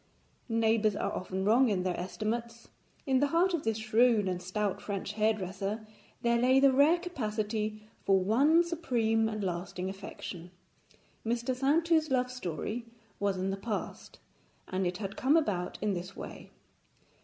Neighbours are often wrong in their estimates. In the heart of this shrewd and stout French hairdresser there lay the rare capacity for one supreme and lasting affection. Mr. Saintou's love story was in the past, and it had come about in this way.